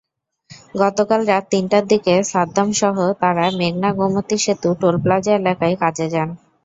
গতকাল রাত তিনটার দিকে সাদ্দামসহ তাঁরা মেঘনা-গোমতী সেতু টোলপ্লাজা এলাকায় কাজে যান।